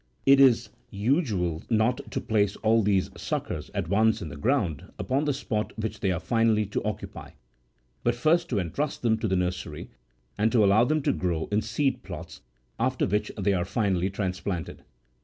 It is usual not to place all these suc kers at once in the ground upon the spot which they are finally to occupy, but first to entrust them to the nursery, and to allow them to grow in seed plots, after which they are finally transplanted.